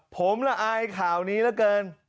ผมละอายข่าวนี้เหลือเกิน